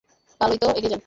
ভালোই তো, এগিয়ে যান।